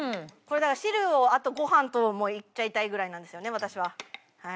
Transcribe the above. これだから汁をあとご飯ともいっちゃいたいぐらいなんですよね私は。